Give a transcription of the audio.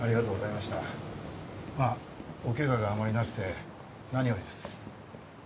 まあおケガがあまりなくて何よりです。